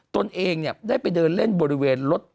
ตนเองได้ไปเดินเล่นบริเวณรถ